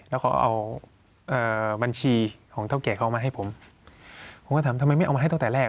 แล้วเขาเอาบัญชีของเท่าแก่เขาเอามาให้ผมผมก็ถามทำไมไม่เอามาให้ตั้งแต่แรก